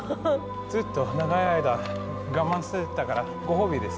ずっと長い間我慢してたからご褒美です。